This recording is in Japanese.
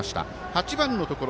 ８番のところ